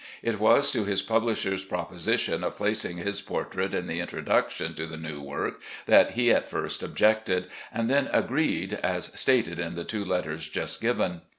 It was to his publisher's proposition of placing his portrait in the "Introduction" to the new work that he at first objected, and then agreed, as stated in the two letters just given.